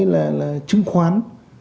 là chứng khoán